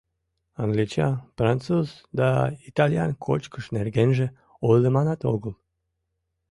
англичан, француз да итальян кочкыш нергенже ойлыманат огыл: